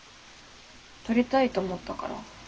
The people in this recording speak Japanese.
撮りたいと思ったから。